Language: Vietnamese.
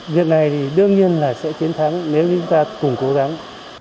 việc này thì đương nhiên là sẽ chiến thắng nếu chúng ta cùng cố gắng